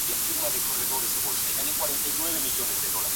Una variedad es el queso de capa de Mompós.